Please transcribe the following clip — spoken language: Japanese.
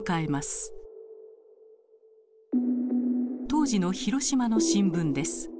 当時の広島の新聞です。